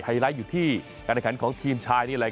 ไฮไลท์อยู่ที่การเนื้อขันของทีมชาย